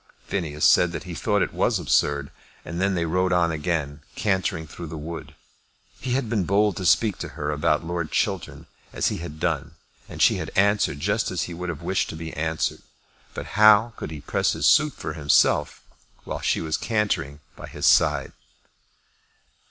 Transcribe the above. Phineas said that he thought it was absurd; and then they rode on again, cantering through the wood. He had been bold to speak to her about Lord Chiltern as he had done, and she had answered just as he would have wished to be answered. But how could he press his suit for himself while she was cantering by his side?